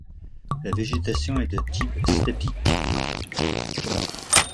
La végétation est de type steppique.